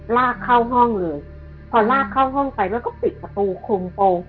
ลากเข้าห้องเลยพอลากเข้าห้องไปแล้วก็ปิดประตูคุมโปรง